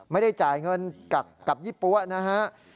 ไม่ได้จ่ายเงินกับยี่ปั๊วนะฮะ